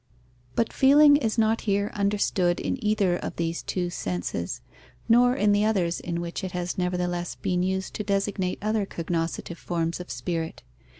_ But feeling is not here understood in either of these two senses, nor in the others in which it has nevertheless been used to designate other cognoscitive forms of spirit.